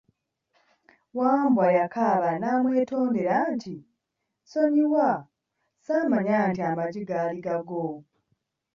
Wambwa yakaaba n'amwetondera nti, nsonyiwa, saamanya nti amaggi gaali gago!